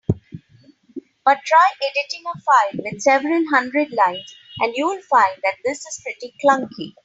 But try editing a file with several hundred lines, and you'll find that this is pretty clunky.